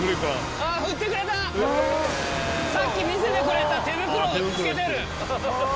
さっき見せてくれた手袋を着けてる！